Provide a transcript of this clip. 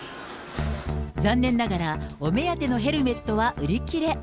残念ながら、お目当てのヘルメットは売り切れ。